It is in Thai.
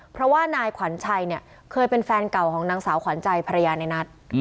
เพราะว่านายขวัญชัยเนี่ยเคยเป็นแฟนเก่าของนางสาวขวัญใจภรรยาในนัท